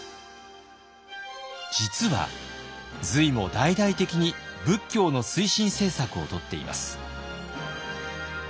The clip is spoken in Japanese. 実は隋も大々的に仏教の推進政策をとっています。